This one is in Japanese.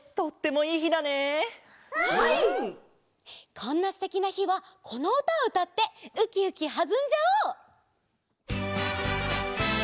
こんなすてきなひはこのうたをうたってウキウキはずんじゃおう！